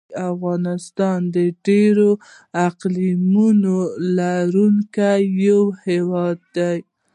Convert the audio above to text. افغانستان د ډېرو اقلیمونو لرونکی یو هېواد دی.